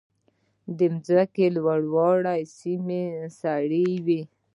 د ځمکې لوړې سیمې سړې وي.